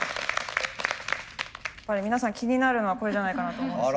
これ皆さん気になるのはこれじゃないかなと思うんですよね。